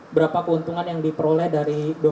berapa keuntungan yang diperoleh dari